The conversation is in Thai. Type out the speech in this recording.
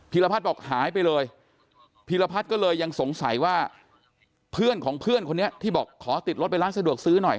รพัฒน์บอกหายไปเลยพีรพัฒน์ก็เลยยังสงสัยว่าเพื่อนของเพื่อนคนนี้ที่บอกขอติดรถไปร้านสะดวกซื้อหน่อย